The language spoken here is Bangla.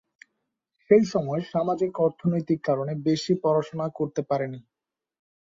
সেই সময়ে সামাজিক অর্থনৈতিক কারণে বেশি পড়াশোনা করতে পারে নি।